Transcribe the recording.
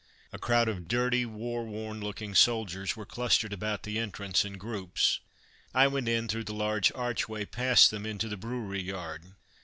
A crowd of dirty, war worn looking soldiers were clustered about the entrance in groups. I went in through the large archway past them into the brewery yard.